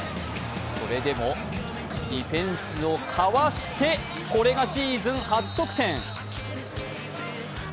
それでもディフェンスをかわしてこれがシーズン初得点。